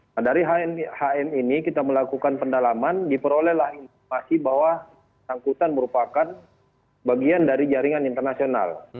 nah dari hm ini kita melakukan pendalaman diperolehlah informasi bahwa angkutan merupakan bagian dari jaringan internasional